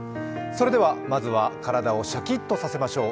それではまずは体をシャキッとさせましょう。